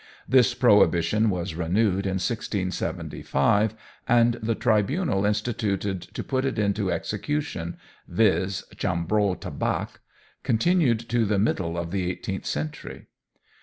This prohibition was renewed in 1675, and the tribunal instituted to put it into execution viz., Chambreau Tabac continued to the middle of the eighteenth century.